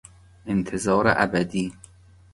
انتظار ابدی